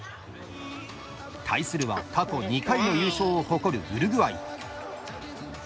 対するは過去２回の優勝を誇るウルグアイ。